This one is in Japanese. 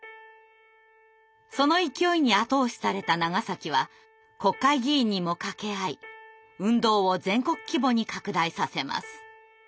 その勢いに後押しされた長は国会議員にも掛け合い運動を全国規模に拡大させます。